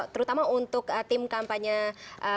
terutama untuk tim kampanye